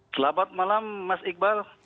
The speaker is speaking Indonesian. selamat malam mas iqbal